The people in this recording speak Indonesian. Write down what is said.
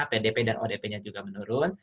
pdp dan odp nya juga menurun